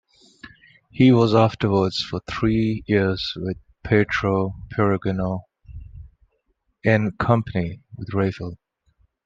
He was afterwards for three years with Pietro Perugino, in company with Raphael.